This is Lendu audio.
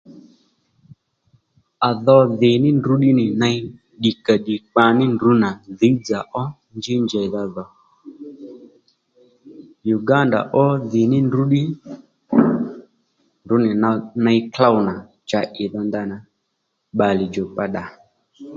À dho dhì ní ndrǔ ddí nì ney ddìkàddì kpa ní ndrǔ nà dhǐy dzà ó njí njèydha dhò Uganda ó dhì ní ndrǔ ddí ndrǔ nì ney klôw nà cha ì dho ndanà bbalè djùkpa ddà